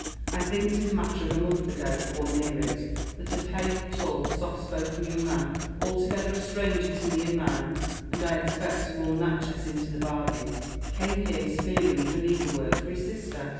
I think 'tis a matter of a month ago, or near it, that a pale, tall, soft spoken young man, altogether a stranger to me and mine, and, I expect, to all Natchez into the bargain, come here spcer ing for needle work for his sister.